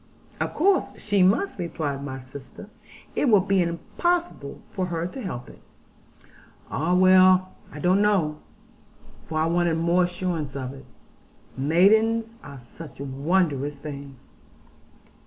'Of course she must,' replied my sister, 'it will be impossible for her to help it.' 'Ah well! I don't know,' for I wanted more assurance of it. 'Maidens are such wondrous things!''